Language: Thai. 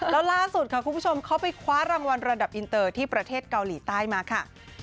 แล้วล่าสุดค่ะคุณผู้ชมเขาไปคว้ารางวัลระดับอินเตอร์ที่ประเทศเกาหลีใต้มาค่ะ